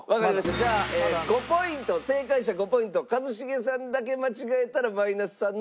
じゃあ５ポイント正解者５ポイント一茂さんだけ間違えたらマイナス３のリスクあり。